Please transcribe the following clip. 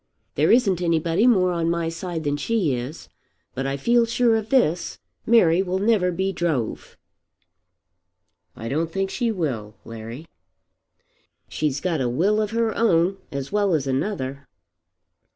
There isn't anybody more on my side than she is. But I feel sure of this; Mary will never be drove." "I don't think she will, Larry." "She's got a will of her own as well as another."